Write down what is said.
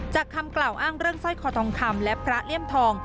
คำกล่าวอ้างเรื่องสร้อยคอทองคำและพระเลี่ยมทอง